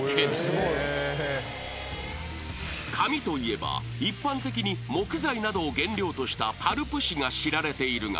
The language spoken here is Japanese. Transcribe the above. ［紙といえば一般的に木材などを原料としたパルプ紙が知られているが］